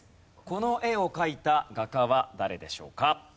この絵を描いた画家は誰でしょうか？